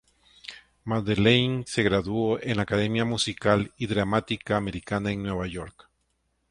Madeline se graduó en la Academia Musical y Dramática Americana en Nueva York.